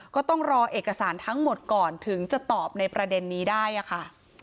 ก็ต้องรอเอกสารทั้งหมดก่อนถึงจะตอบในประเด็นนี้ได้ค่ะ